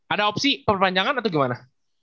ada opsi perpanjangan atau gimana